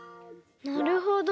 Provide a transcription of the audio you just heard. なるほど。